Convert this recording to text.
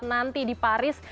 karena banyak yang menarik